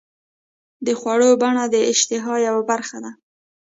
د خوړو بڼه د اشتها یوه برخه ده.